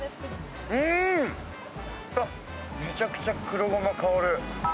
めちゃくちゃ黒ごま香る。